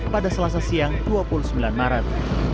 pada selasa siang dua puluh sembilan maret